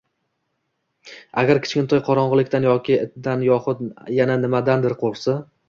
agar kichkintoy qorong‘ulikdan yoki itdan yohud yana nimadardir qo‘rqsa